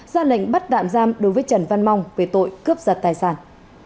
ra lệnh bắt tạm giam đối với trần văn mong về tội cướp giật tài sản